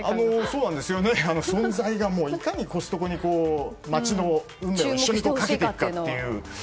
存在がいかにコストコに町の運命を一緒にかけていくかという。